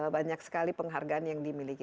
banyak sekali penghargaan yang dimiliki